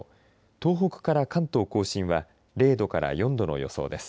東北から関東甲信は０度から４度の予想です。